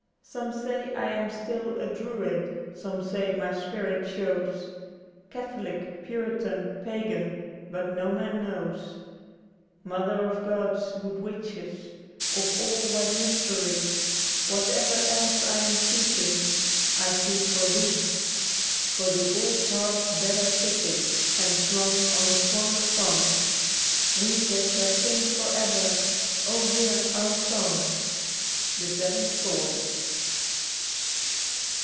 Some say I am still a Druid, some say my spirit shows Catholic, Puritan, Pagan ; but no man knows. Mother of God's good witches, of all white mystery. Whatever else I am seeking, I seek for thee. For the old harp better fitted and swung on a stronger thong, We, that shall sing for ever ; hear our song I * Thg Seven Swords.''